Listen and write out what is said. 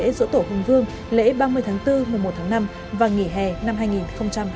giữa tổ hùng vương lễ ba mươi tháng bốn một mươi một tháng năm và nghỉ hè năm hai nghìn hai mươi ba